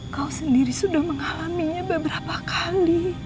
kau sendiri sudah mengalaminya beberapa kali